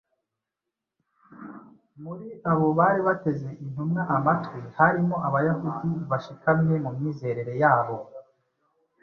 Muri abo bari bateze intumwa amatwi harimo Abayahudi bashikamye mu myizerere yabo.